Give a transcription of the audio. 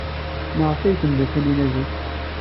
Maɣef ay tmeddel Taninna zik?